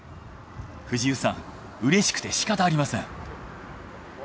藤生さんうれしくて仕方ありません。